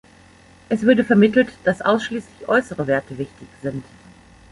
Es würde vermittelt, dass ausschließlich äußere Werte wichtig sind.